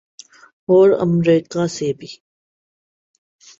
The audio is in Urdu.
اورامریکہ سے بھی۔